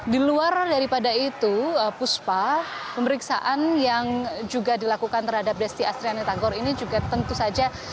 di luar daripada itu puspa pemeriksaan yang juga dilakukan terhadap desti astriani tagor ini juga tentu saja